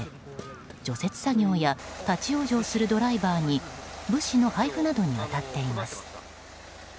除雪作業や立ち往生するドライバーに物資の配布などに当たっています。